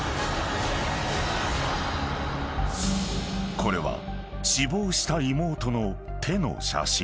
［これは死亡した妹の手の写真］